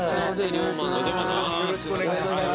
・お邪魔します。